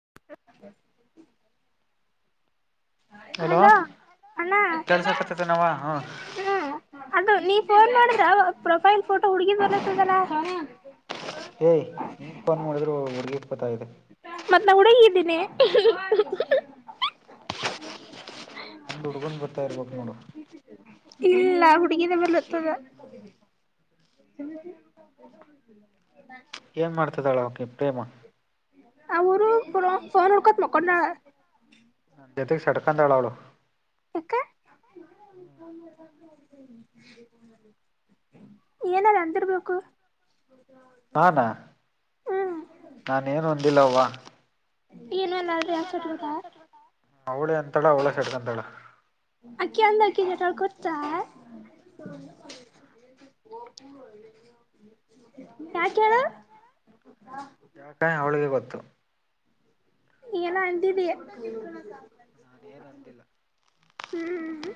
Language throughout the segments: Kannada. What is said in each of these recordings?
ಹ [unintelligible] ಹಲೋ ಅಣ್ಣ ಹ್ಮ ಅದು ನೀ ಫೋನ್ ಮಾಡಿದ್ರ ಪ್ರೊಫೈಲ್ ಫೋಟೋ ಹುಡುಗಿ ಬರತ್ತದಲ್ಲ. ಏಯ್ ನೀನ್ ಫೋನ್ ಮಾಡೋದ್ರು ಹುಡುಗಿದ್ ಬತ್ತಯಿದೆ. ಮತ್ ನಾ ಹುಡಗಿದ್ದೀನಿ. ಹುಡ್ಗುಂದ್ ಬರ್ತಾ ಇರ್ಬೇಕ್ ನೋಡು. ಇಲ್ಲ ಹುಡುಗಿನೆ ಬರ್ಲತ್ತದ. ಏನ್ ಮಾಡ್ತದಾಳ ಅಕಿ ಪ್ರೇಮ. ಅವ್ರು ಫೋನ್ ನೊಂಡ್ಕಂಡ್ ಮಕ್ಕಡೊಳ. ಜೊತೆಗ್ ಸಡಕಂತಾಳ್ವಾಳು - ಏಕೆ ಏನಾರ ಅಂತಿರ್ಬೇಕು. ನಾನ ನಾನ್ ಏನು ಹೊಂದಿಲ್ಲವ್ವ. ಅವ್ಳೆ ಅಂತಳೆ ಅವ್ಳ ಸೆಡ್ಕಂತಾಳೆ. ಅಕ್ಕಿ ಅಂದ ಅಕ್ಕಿ ಜಟ ಕೊತಾ ಯಾಕ್ ಏಳು ಯಾಕೆ ಅವ್ಳಿಗೆ ಗೊತ್ತು. ಏನು ಅಂದಿದ್ಯೇ ಏನು ಅಂದಿಲ್ಲ. ಹ್ಮ್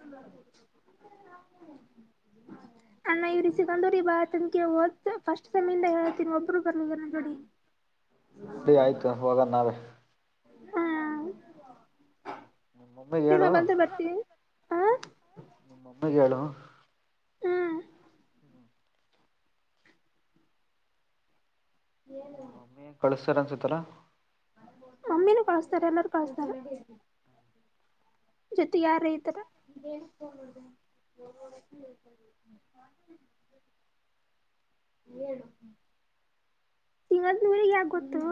[inaudible] [inaudible] ಅಣ್ಣ ಇವ್ರೀ ಸಿ ತಂದೋರೀ ಬಾ ತನಕೆ ಹೊತ ಫಸ್ಟ್ ಸೆಮಿಂದ ಹೇಳ್ತನಿ ಒಬ್ಬರು ಬರ್ಲಿಲ್ಲಾ ನನ್ ಜೋಡಿ. ನಡಿ ಆಯ್ತು ಹೋಗನ್ ನಾವೇ. ಮಮ್ಮಿ ಗ್ ಹೇಳು ನಿಮ್ಮಮ್ಮಿ ಗ್ ಹೇಳು. ಹ್ಮ್ ಮಮ್ಮಿ ಕಳಿಸ್ತಾರನ್ಸುತ್ತಲ್ಲ. ಮಮ್ಮಿನೂ ಕಳಿಸ್ತಾರೆ ಅಂದ್ರೆ ಕಳಿಸ್ತಾರೆ. ಜೊತೆಗ್ ಯಾರ್ [unintelligible] [inaudible] ಸಿಂಗದೂರಿಗೆ ಯಾ ಗೊತ್ತು.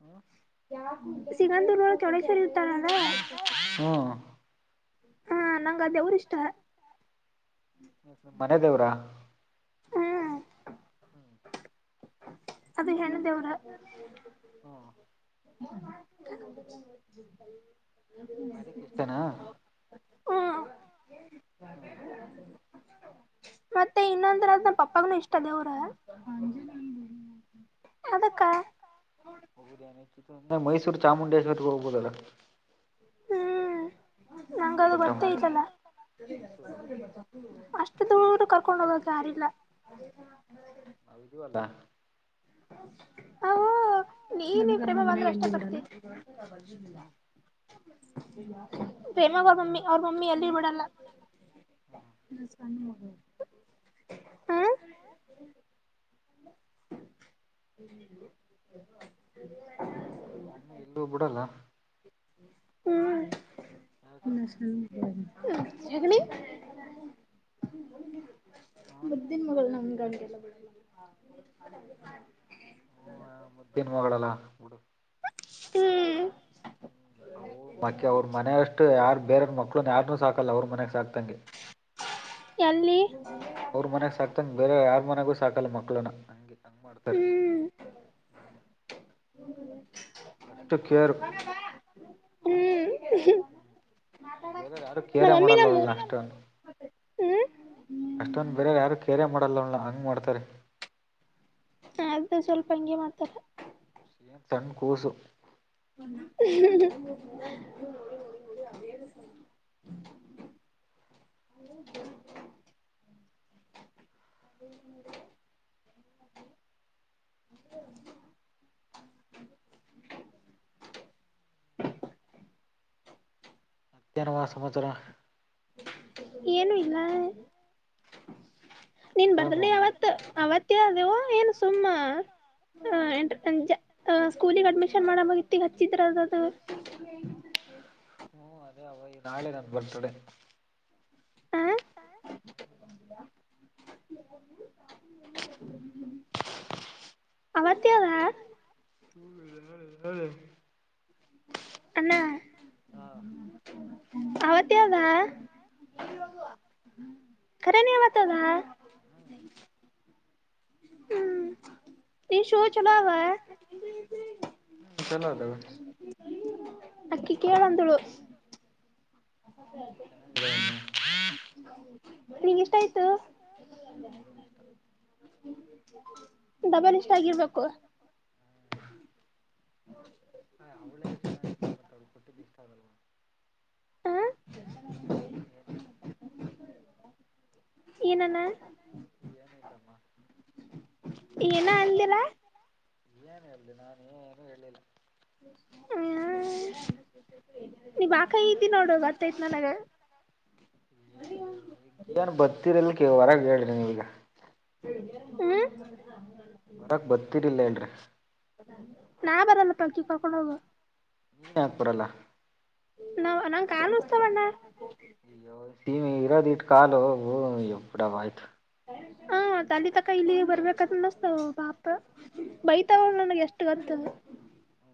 ಹ್ಮ ಸಿಗಂದೂರು ಒಳಗ [unintelligible] ಹ್ಮ್ ಹ ನಂಗ ಅ ದೇವರು ಇಷ್ಟ ಮನೆ ದೇವ್ರಾ ಅದು ಹೆಣ್ಣು ದೇವ್ರ ಹಾ [unintelligible] ಹರಿ ಕೃಷ್ಣನಾ ಹಾ ಮತ್ತೆ ಇನ್ನೊಂದರದ್ ನಮ್ಮ ಪಪ್ಪಾಗನುೂ ಇಷ್ಟ ದೇವ್ರ ಅದಕ್ಕ ಹೌದ ಮೈಸೂರ ಚಾಮುಂಡೇಶ್ವರ ಗ ಹೋಗಬಹುದ ಅಲಾ ಹ್ಮ್ ನಂಗದು ಗೊತ್ತೆ ಇಲ್ಲಲ್ಲಾ ಅಷ್ಟು ದೂರ ಕರ್ಕೊಂಡ್ ಹೋಗಕ್ಕ ಯಾರಿಲ್ಲ [unintelligible] ನಾವು ಇದಿವಿ ಅಲ್ಲಾ ಅವು ನೀನೇ ಪ್ರಭು ಬಂದ್ರ ಅಷ್ಟೇ ಬರ್ತೀನಿ. [unintelligible] ಪ್ರೇಮಗೊಳ ಮಮ್ಮಿ ಅವ್ರ ಮಮ್ಮಿ ಎಲ್ಲಿಬಿಡಲ್ಲ ಇನ್ ಸಣ್ಣ ಮಗು [unintelligible] ಅವ್ರ ಮಮ್ಮಿ ಎಲ್ಲೂ ಬಿಡಲ್ಲ? ಹು ಹ ಹ [unintelligible] ಮುದ್ದಿನ ಮಗಳು ನಮಗಗೆಲಾ ಮುದ್ದಿನ ಮಗಳಲ್ಲಾ ಬಿಡು ಹ್ಮ್ ಅವು ಮಕೆ ಅವ್ರ ಮನೆ ಅಷ್ಟು ಯಾರ ಬೇರ ಮಕ್ಳ ಒಂದ ಆಟು ಸಾಕಲ್ಲ ಅವ್ರ ಮನೆಯಾಗ ಸಾಕದಂಗೆ ಎಲ್ಲಿ ಅವ್ರ ಮನ್ಯಾಗ ಸಾಕ್ತಂದ ಬೇರೆ ಯಾರಾರ್ ಮನೆಗೂ ಸಾಕಲ್ಲ ಮಕ್ಳನ ಹಗೆ ಹಂಗ ಮಾಡ್ತಾರೆ [unintelligible] ಅಷ್ಟ ಕೇರ್ ಹೂ ಬೇರ ಯಾರು ಕೇರೆ ಮಾಡಲ್ಲ ಅವ್ಳ್ನ ಅಷ್ಟು ಅಷ್ಟೊಂದ ಬೇರೆ ಯಾರು ಕೇರೆ ಮಾಡಲ್ಲ ಅವಳಣ್ಣ ಹಂಗ್ ಮಾಡ್ತಾರೆ ಅದು ಸ್ವಲ್ಪ ಹಂಗೆ ಮಾಡ್ತಾರೆ ಇನ್ನಾ ಸಣ್ಣ ಕೂಸು ಹ ಹ ಮತ್ತ ಏನಮ್ಮ ಸಮಾಚಾರ ಏನು ಇಲ್ಲ ನೀನ್ ಬರ್ತಡೇ ಯಾವತ್ ಅವತ್ತ ಅದಾವೋ ಏನ ಸುಮ್ಮ ಅ ಎಂಟ ಸ್ಕೂಲಿಗೆ ಅಡ್ಮಿಷನ್ ಮಾಡ ಮುಂದ ಇತ್ತಗ ಹಚ್ಚಿದ್ರದ ಅದು ಹ್ಮ್ ಅದೇ ಅವಗೆ ನಾಳೆ ನನ್ ಬರ್ತಡೆ ಹಾ ಅವತ್ಯದಾ ಹ ಹ ಹೆ ಹಾ ಅವತ್ ಯ್ದ ಕರ ನೀವತದಾ ಹ್ಮ್ ನೀ ಶೋ ಚಲೋ ಚಲದ ಅಕ್ಕಿ ಕೇಳಂದಳು ಚೆನ್ನ ನಿ ಇಷ್ಟ ಆಯ್ತ ಡಬಲ್ ಇಷ್ಟ ಆಗಿರ್ಬೇಕು ಹ್ಮ ಹಾ ಅವಳೇ ಇಷ್ಟ ಅಂತೆ ಮತ್ತ ಅವ್ಳಿಗೆ ಕೊಟ್ಟಿದ್ದು ಇಷ್ಟ ಆಗಲ್ವ ಏನಲ್ಲ ಏನಂದ ಏನು ಇಲ್ಲಮ್ಮ ಏನು ಹೇಳಲಿ ನಾನು ಏನು ಹೇಳಿಲ್ಲ [unintelligible] ನೀ್ ಅಕ ತಿ ನೋಡು ಗತ್ತೈತ್ ನನಗ ಏನು ಬರ್ತೀರಲ್ಲಿ ಕವರ ಹೇಳಿ ನೀವೀಗ ಹ್ಮ ಫರಕ್ ಬರ್ತಿರಲಿಲ್ಲೇಏನ್ರೀ ನಾ ಬರಲ್ಲ ಪಕಿ ಕಕೊಂಡು ಹೋಗ ಆಗ್ಕ್ಬರಲ್ಲ ನಾವ್ ನಂಗ ಕ ಉಸ್ತವಣ್ಣ ಸಮ ಇರೋದ ಇಟ್ ಕಾಲು ಹೋಗ ಎಡಾ ಆಯ್ತು ಹಾ ತಾಲ ತಕ ಇಲ್ಲಿ ಬರ್ಬೇಕಾದ್ರ ಮಸ್ತ ಬಾಪ ಬೈತಾವಳ ನನಗೆ ಎಷ್ಟು ಗೊತ್ತ ಹಾ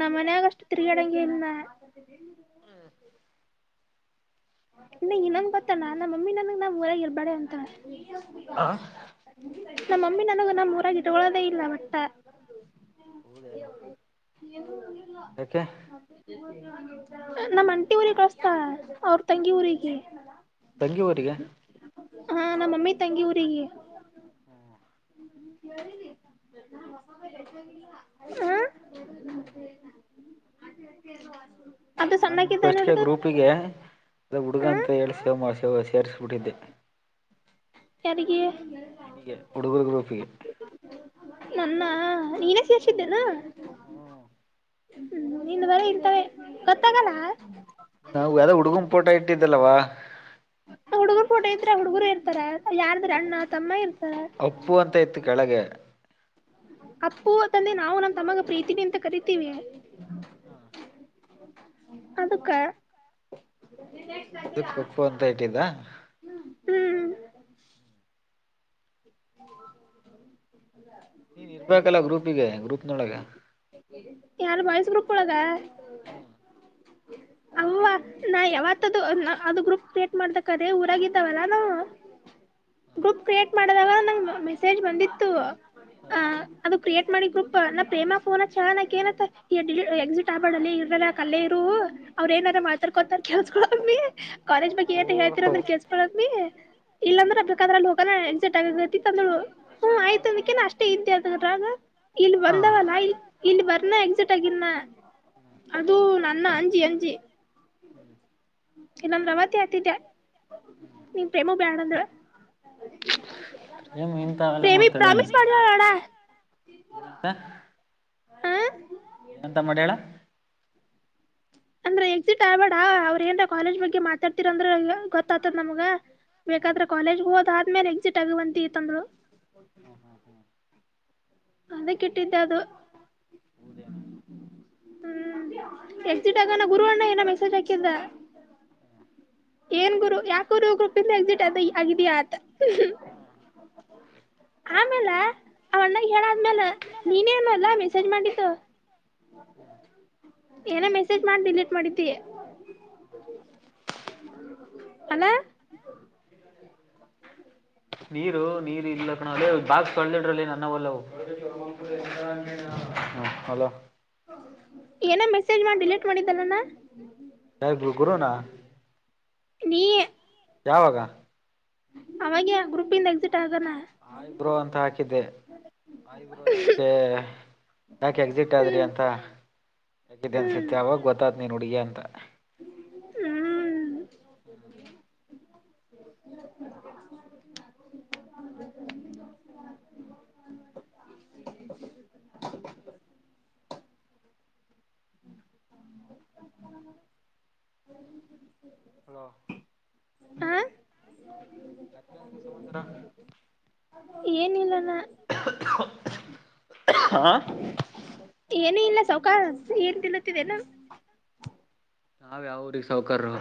ನಮ್ಮ ಮನ್ಯಾಗಷ್ಟು ತಿರುಗಾಡಂಗಿ ಇನ ಇ ಇನ್ನೊಂದ್ ಗತ್ತ ನಮ್ಮಿ ನನಗೆ ನಾ್ಊರ ಇರ್ಬೇಡ ಅಂತ ಹಾ ನಮ್ಮಮ್ಮಿ ನನಗ ನಮ್ಮ್ ಊರಾಗಿ ತಗೊಳ್ಳೋದೇ ಇಲ್ಲ ಮಟ್ಟ ದೆನು [unintelligible] ೆ ನಮ ಅಂಟಿ ಊರಿಗೆಳಸ್ತಾ ಅವ್ರ ತಂಗಿ ಊರಿಗೆ ತಂಗಿಯ ಊರಿಗೆ ಹಾ ನಮ್ಮ ಮಮ್ಮಿ ತಂಗಿ ಊರಿಗೆ ಹ್ಮ ಹ ಹ್ಮ್ ಅಲ್ಲ ನಾನನ್ ನಿನ್ ಫಸ್ಟ್ಗೆ ಗ್ರೂಪಿಗೆ ಅ ಹುಡುಗ ಅಂತ ಹೇಳಿ ಸೇವವ ಸೇರ್ರಿಸಬಿಟ್ಟಿದ್ದೆ ದಿಗೆ ನಿನಗೆ ಹುಡುಗರ ಗ್ರೂಪ್ ಗೆ ನನ್ನ ನೀ [unintelligible] ಹ್ಮ ಹ್ಮ್ ನಿಂದು ಬರಿ ಇಂಥವೇ ಗೊತ್ತಾಗಲ್ಲ ನಾವು ಯಾವ್ದೋ ಹುಡುಗನ ಪೋಟ ಇಟ್ಟಿದ್ದಲ್ಲವವಾ ಹುಡುಗರ್ ಪೋಟೋ ಇಟ್ರೆ ಹುಡುಗುರು ಇರ್ತಾರ ಯಾರದ್ರ ಅಣ್ಣ ತಮ್ಮ ಇರ್ತಾರ ಅಪ್ಪು ಅಂತ ಇತ್ತು ಕೆಳಗೆ ಅಪ್ಪು ತಂದೆ ನಾವು ನನ್ ತಮ್ಮಗ ಪ್ರೀತಿ ಅಂತ ಕರಿತೀವಿ ಹಾ ಅದಕ್ಕ ಅದಕ್ಕ ಫೋನ್ ತಗೆದಿಲ್ವಾ ಹ್ಮ [unintelligible] ನೀನ್ ಇರ್ಬೇಕಲ್ಲಾ ಗ್ರೂಪಿಗೆ ಗ್ರೂಪ್ನೊಳಗೆ ಯಾವ್ದು ಬಾಯ್ಸ್ ಗ್ರೂಪ್ ಒಳಗ ಹ್ಮ್ ಅವ್ವಾ ನಾ ಯಾವತ್ತದು ಅದು ಗ್ರೂಪ್ ಕ್ರಿಯೇಟ್ ಮಾಡ್ ಅದೇ ಊರಾಗಿದ್ದಾವಲ್ಲಾ ನಾವು ಗ್ರೂಪ್ ಕ್ರಿಯೇಟ್ ಮಾಡೋದಾಗ ನಂಗೆ ಮೆಸೇಜ್ ಬಂದಿತ್ತು ಅದು ಕ್ರಿಯೇಟ್ ಮಾಡಿ ಗ್ರೂಪ್ ನನ್ನ ಪ್ರೇಮ ಫೋನ್ ಅಚ್ಚಿ ಆಕೆ ಏನ್ ಅಂತಳ ಈ ಎಕ್ಸಿಟ್ ಆಬಡಲ್ಲ ಇರ್ಲ್ಲ ಅಲ್ಲೇ ಇರು ಅವ್ರ ಏನಾರ ಮಾಡತರ್ಕೋತ ಕೇಳ್ಸ್ಕೊ ಕಾಲೇಜ್ ಬಗ್ಗೆ ಏನ್ ಹೇಳ್ತಿರ ಅಂದ್ರೆ ಕೇ ಳಕಿ [unintelligible] ಇಲ್ಲಾಂದ್ರೆ [unintelligible] ಹೋಗ ಎಕ್ಸಿಟ್ ಆಗತಿ ತಂದ್ಳ ಹ್ಮ್ ಆಯ್ತ ಅಂದೇ ಅಷ್ಟೇ ಇಂತ ಅ ಇಲ್ಲಿ ಬಂದವಲ್ಲಾ ಇ ಇಲ್ಲಿ ಬರ್ನಾ ಎಕ್ಸಿಟ್ ಆಗಿರ್ನಾ ಅದು ನನ್ನ ಅಂಜಿಂಜ ಚಿ ಇನ್ನೊಂದ್ ರೆವತಿ ಆತಿದ್ದೆ ನಿನ್ ಪ್ರೇಮ ಬ್ಯಾಡಂದ್ರ ಪ್ರೇಮ ಇಂತ ಅವೆಲ್ಲ ಮಾಡ್ತಾಳ ಏನಂತ ಏನಂತ ಮಾಡ್ಯಾಳ ಅಂದ್ರೆ ಎಕ್ಸಿಟ್ ಆಗ್ಬೇಡ ಅವ್ರ ಏನ್ರ ಕಾಲೇಜ್ ಬಗ್ಗೆ ಮಾತಾಡ್ತಿರಂದ್ರ ಗೊತ್ತತದ ನಮ್ಗ ಬೇಕಾದ್ರ ಕಾಲೇಜ್ಗೆ ಹೋದಾದ ಆದ್ಮೇಲೆ ಎಕ್ಸಿಟ್ ಆಗುವಂತೆ ಅಂತಿದ್ಲು ಹಾಂ ಹಾ ಹಾ ತಲೆ ಕೆಟ್ಟಿದು ಅದು ಹೌದೇನು ಹ್ಮ್ ಎಕ್ಸಿಟ್ ಆಗಾನ ಗುರು ಏನೋ ಮೆಸೇಜ್ ಹಾಕಿದ್ದ ಏನ್ ಗುರು ಯಾಕ ಗುರು ಗ್ರೂಪ್ ಇಂದ ಎಕ್ಸಿಟ್ ಅದು ಆಗಿದಯಾ ಆತ ಆಮೇಲೆ ಅವಣ್ಣ ಹೇಳಾದ್ಮೇಲೆ ನೀನೇನ ಅಲ್ಲಾ ಮೆಸೇಜ್ ಮಾಡಿದ್ದು ಏನೋ ಮೆಸೇಜ್ ಮಾಡಿ ಡಿಲೀಟ್ ಮಾಡಿದ್ದಿಯ ಅಣ್ಣ ನೀರು ನೀರ್ ಇಲ್ಲ ಕನೊಲೊ ಅದೇ ಬಾಕ್ಸ್ ತೊದಿಡ್ರಲ್ಲಿ ನನ್ನವಲ್ಲ ಹಲೋ ಏನೂ ಮೆಸೇಜ್ ಮಾಡಿ ಡಿಲೀಟ್ ಮಾಡಿದ್ದಲ್ಲನಾ ಯಾರು ಗುರು ನ ನೀ ಯಾವಾಗ ಆವಾಗೆ ಆ ಗ್ರೂಫ್ ಇಂದ ಎಕ್ಸಿಟ್ ಆಗಾನೆ ಹಾಯ್ ಬ್ರೋ ಅಂತ ಹಾಕಿದ್ದೆ ಹಾಯ್ ಬ್ರೋ ಯಾಕೆ ಯಾಕೆ ಎಕ್ಸಿಟ್ ಆದ್ರಿ ಅಂತ ಯಾಕಿದ್ದ ಅನ್ಸುತ್ತೆ ಆವಗ ಗೊತ್ತಾಯ್ತು ನೀನು ಹುಡುಗಿ ಅಂತ. ಹ್ಮ ಹ ಹ ಮತ್ತೇನ್ರಿ ಸಮಚಾರ. ಹಾ ಏನು ಇಲ್ಲ ಸೌಕರ್ ಏನ್ ತಿನ್ನತಿ ಏನು. ನಾವ್ ಯಾವ್ ಊರಿಗ್ ರಿ ಸವ್ಕರು.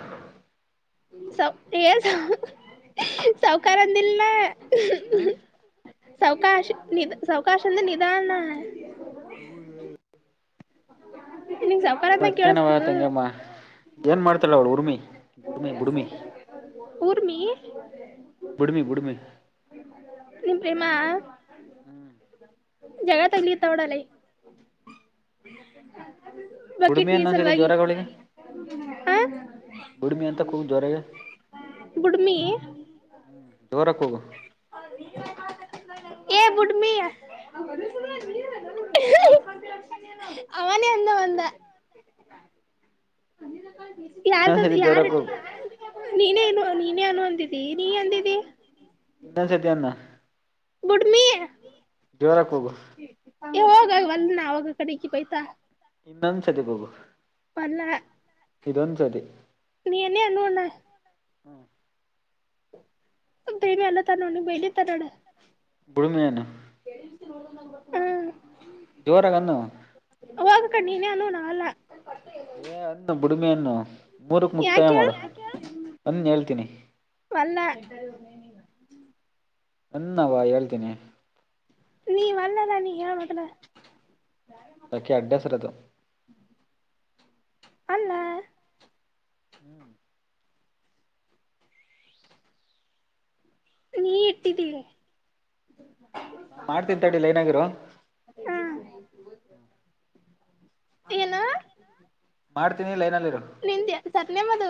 ಸ ಎನ್ ಸೌ ಸೌಕಾರ ಅಂದಿಲ್ಲ ನಾ. ಸೌಕಾಶ ನಿ ಸೌಕಾಶ ಅಂದ್ರೆ ನಿಧಾನ. ಹೌದೆನು. ಅದಿಕ್ಕೆ. ಮತ್ತ್ಯಾಹ್ನವ ತಂಗಮ್ಮ ಏನ್ ಮಾಡ್ತಾಳ ಅವಳು ಉರ್ಮಿ ಬುಡಿಮಿ ಬುಡಿಮಿ. ಊರ್ಮಿ. ಬುಡ್ಮಿ ಬುಡ್ಮಿ. ನಿಂ ಪ್ರೇಮ. ಜಗಳ ತೆಗಿತವಳಲ್ಲಿ. ಹ ಬುಡ್ಮಿ ಅನ್ನನ್ಸತಿ ಜೋರಾಗಿ ಅವಳಿಗೆ ಬುಡ್ಮಿ ಅಂತ ಕೂಗು ಜೋರಾಗಿ. ಬುಡ್ಮಿ. ಹ್ಮ್ ಜೋರಾಗ್ ಕೂಗು. ಎ ಬುಡ್ಮಿ. ಅವನೇ ಅನ್ನು ಅಂದ. ಯಾರಿಗದು ಯಾರ್ ನೀನೆ ಇನು ನೀನೇ ಅನು ಅಂದಿದಿ ನೀ ಅಂದಿದಿ. ಇನ್ನೊಂದ್ ಸತಿ ಅನ್ನು. ಬುಡ್ಮಿ. ಜೋರಾಗ್ ಕೂಗು. ಹೆ ಹೋಗ ಒಲ್ನಾ ಅವಾಗಕಡೆಕ್ಕಿ ಬಯ್ತಾ. ಇನ್ನೊಂದ್ ಸತಿ ಕೂಗು. ವಲ್ಲ. ಇದೊಂದ್ ಸತಿ. ನೀನೆ ಅನ್ನು ಅಣ್ಣ. ಹ್ಮ ಡೈಲಿ ಅನ್ನಾತನ್ ನೋಡ್ ಬೈದಿತನ್ ನೋಡು. ಬುಡ್ಮಿ ಅನ್ನು. ಹ್ಮ್ ಜೋರಾಗನ್ನು. ಹೋಗ್ ಆಕಡೆ ನೀನೆ ಅನ್ನು ನನ್ ವಲ್ಲ. ಏ ಅನ್ನು ಬುಡಿಮಿಯನ್ನು ಮೂರಕ್ ಮುಕ್ತಾಯ ಮಾಡು ಅನ್ ಹೇಳ್ತೀನಿ. ವಲ್ಲ. ಅನ್ನುವ ಹೇಳ್ತೀನಿ. ನೀ ಅಲ್ಲ ನನಗೆ ಹೇಳು ಮೊದಲು ಅಡ್ರೆಸ್ ಅಲ್ಲ ಹ್ಮ್ ನೀ ಇಟ್ಟಿದ್ದೀರಿ ಹ್ಮ್ ಏನು ಮಾಡ್ತೀನಿ ಲೈನಲ್ಲಿ ಇರು ಸರ್ ನೇಮ್ ಅದು